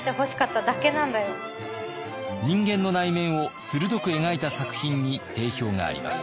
人間の内面を鋭く描いた作品に定評があります。